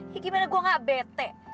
ya gimana gue gak bete